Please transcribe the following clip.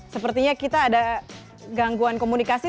sepertinya kita ada gangguan komunikasi